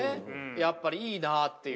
やっぱりいいなっていう。